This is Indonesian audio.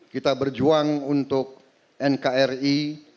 kita berjuang untuk nkri